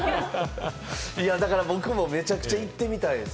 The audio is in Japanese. だから僕もめちゃくちゃ行ってみたいです。